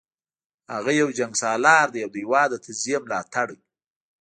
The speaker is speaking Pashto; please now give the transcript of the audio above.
هغه یو جنګسالار دی او د هیواد د تجزیې ملاتړی